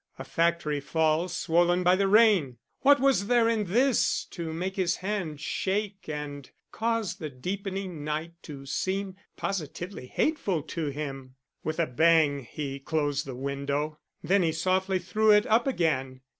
A factory fall swollen by the rain! What was there in this to make his hand shake and cause the deepening night to seem positively hateful to him? With a bang he closed the window; then he softly threw it up again.